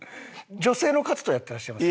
女性の方とやってらっしゃいます？